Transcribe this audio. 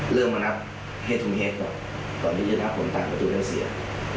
เริ่มมานับเหตุมีเหตุก่อนที่จะนับผมตามประชุมนักเสีย